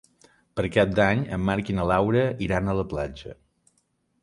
Per Cap d'Any en Marc i na Laura iran a la platja.